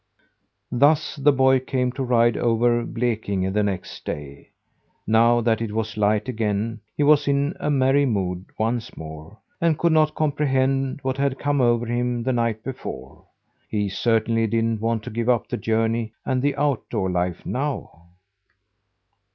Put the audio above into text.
Thus the boy came to ride over Blekinge the next day. Now, that it was light again, he was in a merry mood once more, and could not comprehend what had come over him the night before. He certainly didn't want to give up the journey and the outdoor life now.